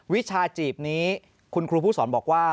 วิชาจีบนี้คุณครูผู้สอนบอกว่า